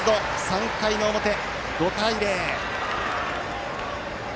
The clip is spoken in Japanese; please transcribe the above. ３回の表、５対０。